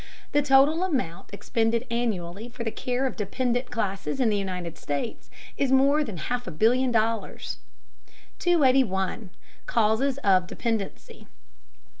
The total amount expended annually for the care of the dependent classes in the United States is more than half a billion dollars. 281. CAUSES OF DEPENDENCY.